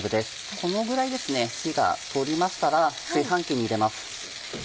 このぐらいですね火が通りましたら炊飯器に入れます。